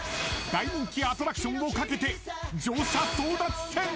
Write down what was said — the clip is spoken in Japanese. ［大人気アトラクションを懸けて乗車争奪戦］